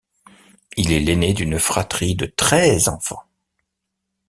Il est l’aîné d’une fratrie de treize enfants.